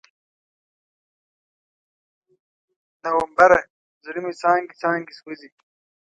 نومبره، زړه مې څانګې، څانګې سوزي